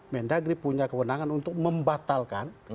mendagri punya kewenangan untuk membatalkan